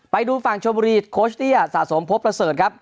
ไปดูฟังโชว์บุรีโคชเตียร์สะสมโพพระเสิร์ตครับ